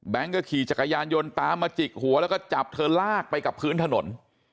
ก็ขี่จักรยานยนต์ตามมาจิกหัวแล้วก็จับเธอลากไปกับพื้นถนน